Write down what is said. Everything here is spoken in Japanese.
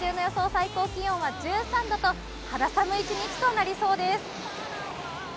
最高気温は１３度と肌寒い一日となりそうです。